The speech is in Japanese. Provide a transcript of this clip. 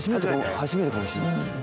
初めてかもしんないです。